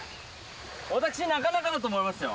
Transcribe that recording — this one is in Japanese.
私なかなかだと思いますよ。